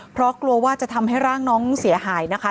เพราะกลัวว่าจะทำให้ร่างน้องเสียหายนะคะ